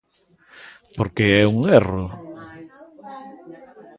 ¿Por que é un erro?